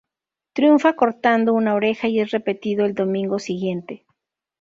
Triunfa cortando una oreja y es repetido el domingo siguiente.